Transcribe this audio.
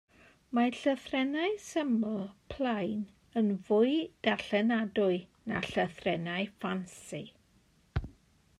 Mae llythrennau syml, plaen, yn fwy darllenadwy na llythrennau ffansi.